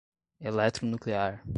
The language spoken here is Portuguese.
Eletronuclear